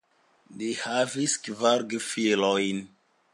Li havis kvar gefilojn.